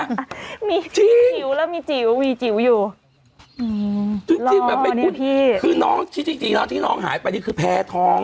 จริงมีจิ๋วแล้วมีจิ๋วมีจิ๋วอยู่อืมคือน้องที่จริงจริงแล้วที่น้องหายไปนี่คือแพ้ท้อง